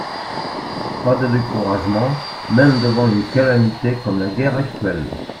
Pas de découragement - même devant une calamité comme la guerre actuelle.